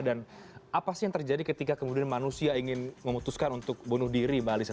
dan apa sih yang terjadi ketika kemudian manusia ingin memutuskan untuk bunuh diri mbak lesen